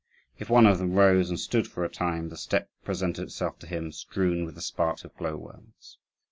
If one of them rose and stood for a time, the steppe presented itself to him strewn with the sparks of glow worms.